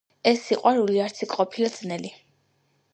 „ეს სიყვარული არც იქ ყოფილა ძნელი.